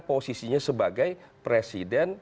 posisinya sebagai presiden